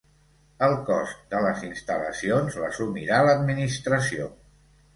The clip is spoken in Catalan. El cost de les instal·lacions l'assumirà l'Administració.